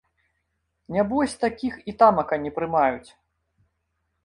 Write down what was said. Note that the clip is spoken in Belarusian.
Нябось такіх і тамака не прымаюць.